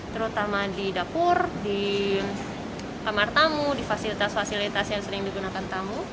terutama di dapur di kamar tamu di fasilitas fasilitas yang sering digunakan tamu